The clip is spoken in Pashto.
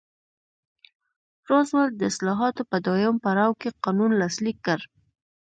روزولټ د اصلاحاتو په دویم پړاو کې قانون لاسلیک کړ.